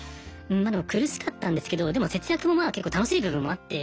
うん何だろう苦しかったんですけどでも節約もまあ結構楽しい部分もあって。